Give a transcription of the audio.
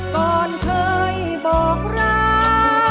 ก่อนเคยบอกรัก